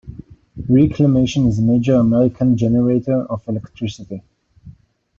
Reclamation is a major American generator of electricity.